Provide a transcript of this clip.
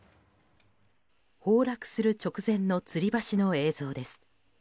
崩落する直前のつり橋の映像です。